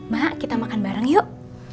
mak kita makan bareng yuk